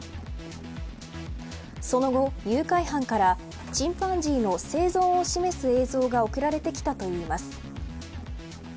その後、誘拐犯からチンパンジーの生存を示す映像が送られてきたといいます。